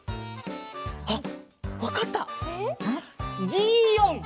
ギーオン！